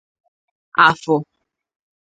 Afọr